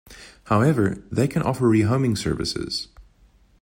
However, they can offer rehoming services.